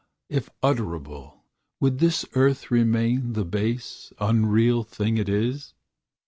if utterable, would this earth Remain the base, unreal thing it is?